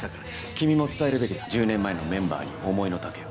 君も伝えるべきだ、１０年前のメンバーに思いのたけを。